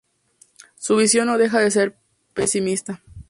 Su visión no deja de ser pesimista.